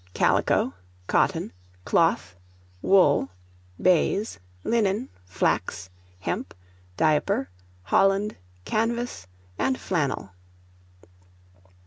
CALICO, COTTON, CLOTH, WOOL, BAIZE, LINEN, FLAX, HEMP, DIAPER, HOLLAND, CANVAS, AND FLANNEL.